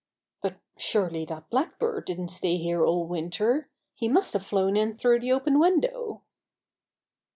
"But surely that blackbird didn't stay here all winter. He must have flown in through the open window."